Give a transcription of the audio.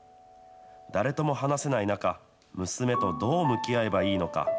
誰とも話せない中、娘とどう向き合えばいいのか。